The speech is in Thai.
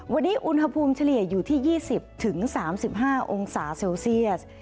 วันนี้อุณหภูมิเฉลี่ยอยู่ที่๒๐๓๕องศาเซลเซียส